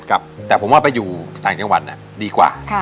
แต่ผมว่าไปอยู่ต่างจังหวัดดีกว่า